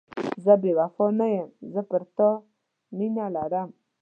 زه بې وفا نه یم، زه پر تا مینه لرم.